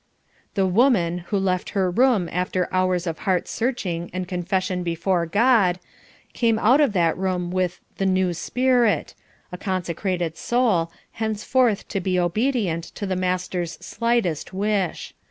The woman, who left her room after hours of heart searching and confession before God, came out of that room with "the new spirit" a consecrated soul, henceforth to be obedient to the Master's slightest wish.